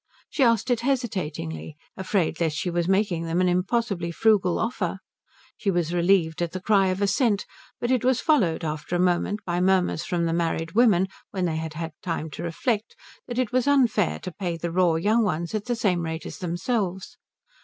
She asked it hesitatingly, afraid lest she were making them an impossibly frugal offer. She was relieved at the cry of assent; but it was followed after a moment by murmurs from the married women, when they had had time to reflect, that it was unfair to pay the raw young ones at the same rate as themselves.